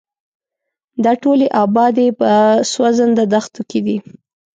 دا ټولې ابادۍ په سوځنده دښتو کې دي.